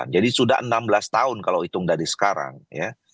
jadi sudah enam belas tahun kalau hitung dari sekarang ya